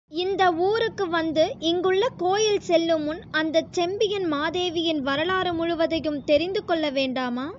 இந்த ஊருக்கு வந்து இங்குள்ள கோயில் செல்லுமுன் அந்தச் செம்பியன்மாதேவியின் வரலாறு முழுவதையும் தெரிந்துகொள்ள வேண்டாமா?